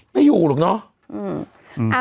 ไม่อยู่หรอกเนาะ